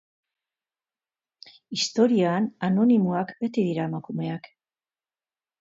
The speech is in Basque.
Historian, anonimoak beti dira emakumeak.